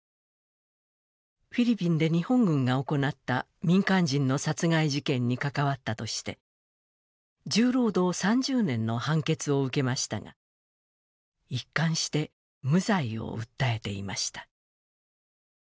フィリピンで日本軍が行った民間人の殺害事件に関わったとして重労働３０年の判決を受けましたが一貫して無罪を訴えていました。